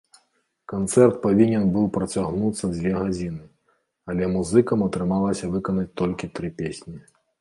Канцэрт павінен быў працягнуцца дзве гадзіны, але музыкам атрымалася выканаць толькі тры песні.